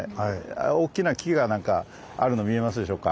大きな木があるの見えますでしょうか？